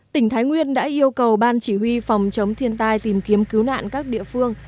tỉnh thái nguyên đã yêu cầu ban chỉ huy phòng chống thiên tai tìm kiếm cứu nạn các địa phương